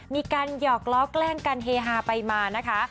หยอกล้อแกล้งกันเฮฮาไปมานะคะ